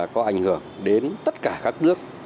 có ảnh hưởng đến tất cả các nước